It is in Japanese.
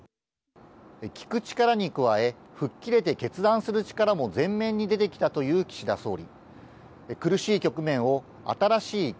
聞く力に加え、吹っ切れて決断する力も前面に出てきたという岸田総理。